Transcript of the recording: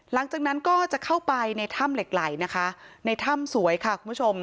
หลังจากนั้นก็จะเข้าไปในถ้ำเหล็กไหลนะคะในถ้ำสวยค่ะคุณผู้ชม